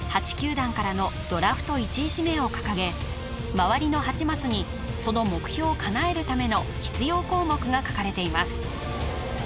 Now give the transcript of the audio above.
球団からのドラフト１位指名をかかげ周りの８マスにその目標をかなえるための必要項目が書かれています